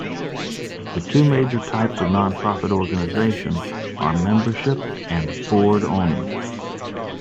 The two major types of nonprofit organization are membership and board-only.